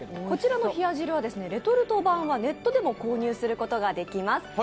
こちらの冷や汁はレトルト版はネットで購入することができます。